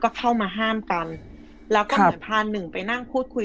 ก็เข้ามาห้ามกันแล้วก็เหมือนพาหนึ่งไปนั่งพูดคุย